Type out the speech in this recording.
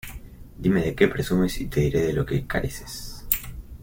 Dime de qué presumes y te diré de lo que careces.